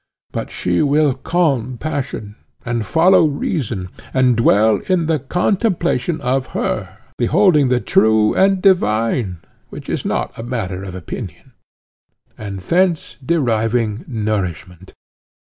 But she will calm passion, and follow reason, and dwell in the contemplation of her, beholding the true and divine (which is not matter of opinion), and thence deriving nourishment.